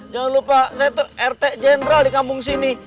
jangan lupa saya tuh rt general di kampung sini